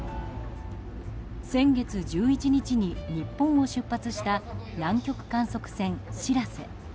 先月１１日に日本を出発した南極観測船「しらせ」。